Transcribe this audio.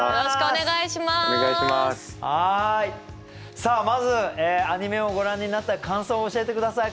さあまずアニメをご覧になった感想を教えてください。